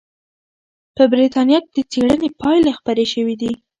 په بریتانیا کې د څېړنې پایلې خپرې شوې دي.